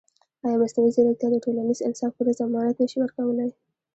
ایا مصنوعي ځیرکتیا د ټولنیز انصاف پوره ضمانت نه شي ورکولی؟